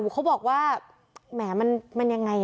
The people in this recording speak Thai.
เขาบอกว่าแหมมันยังไง